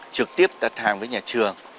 trực tiếp đặt hàng với nhà trường